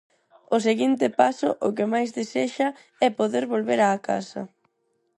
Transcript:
O seguinte paso, o que máis desexa, é poder volver á casa.